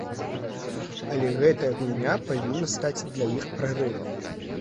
Але гэтая гульня павінна стаць для іх прарывам.